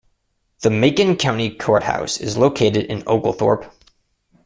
The Macon County Courthouse is located in Oglethorpe.